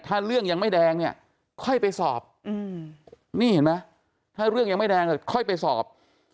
ถ้าเรื่องยังไม่แดงเนี่ยค่อยไปสอบนี่เห็นไหมถ้าเรื่องยังไม่แดงค่อยไปสอบ